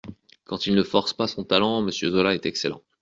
Quand il ne force pas son talent, Monsieur Zola est excellent.